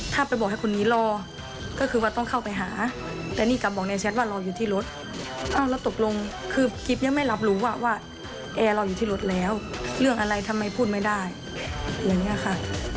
ถ้าไปบอกให้คนนี้รอก็คือว่าต้องเข้าไปหาแต่นี่กลับบอกในแชทว่ารออยู่ที่รถอ้าวแล้วตกลงคือกิ๊บยังไม่รับรู้ว่าแอร์เราอยู่ที่รถแล้วเรื่องอะไรทำไมพูดไม่ได้อย่างนี้ค่ะ